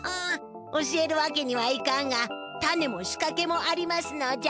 教えるわけにはいかんがタネもしかけもありますのじゃ。